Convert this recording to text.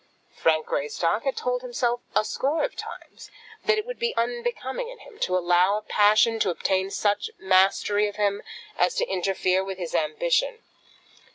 Frank Greystock had told himself, a score of times, that it would be unbecoming in him to allow a passion to obtain such mastery of him as to interfere with his ambition.